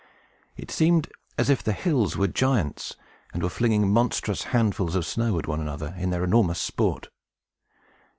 It seemed as if the hills were giants, and were flinging monstrous handfuls of snow at one another, in their enormous sport.